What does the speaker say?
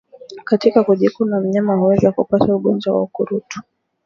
Katika kujikuna mnyama huweza kupata ugonjwa wa ukurutu